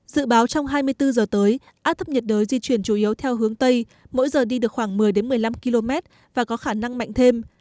dự báo trong hai mươi bốn giờ tới áp thấp nhiệt đới di chuyển chủ yếu theo hướng tây mỗi giờ đi được khoảng một mươi một mươi năm km và có khả năng mạnh thêm